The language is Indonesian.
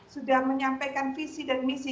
sudah menyampaikan visi dan misi